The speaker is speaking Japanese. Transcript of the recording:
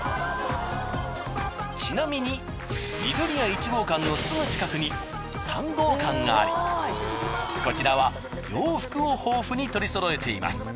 ちなみにみどりや１号館のすぐ近くに３号館がありこちらは洋服を豊富に取りそろえています。